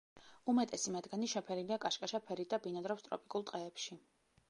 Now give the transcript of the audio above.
უმეტესი მათგანი შეფერილია კაშკაშა ფერით და ბინადრობს ტროპიკულ ტყეებში.